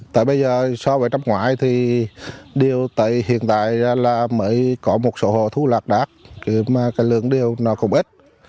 tại bây giờ so với năm ngoái thì điều tại hiện tại là mới có một số hồ thu lạc đác nhưng mà cái lượng điều nó cũng ít